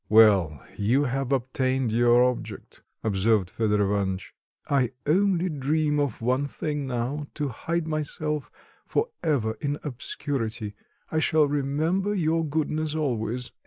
"Well, you have obtained your object," observed Fedor Ivanitch. "I only dream of one thing now: to hide myself for ever in obscurity. I shall remember your goodness always."